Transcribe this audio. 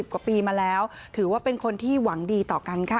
กว่าปีมาแล้วถือว่าเป็นคนที่หวังดีต่อกันค่ะ